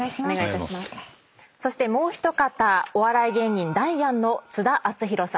そしてお笑い芸人ダイアンの津田篤宏さんです。